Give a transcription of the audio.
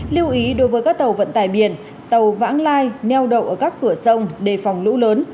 lưu ý đối với các tàu vận tải biển tàu vãng lai neo đậu ở các cửa sông đề phòng lũ lớn